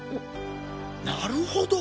なるほど。